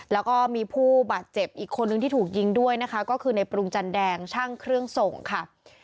แล้วก็มีผู้บาดเจ็บอีกคนนึงที่ถูกยิงด้วยนะคะก็คือในปรุงจันแดงช่างเครื่องส่งค่ะ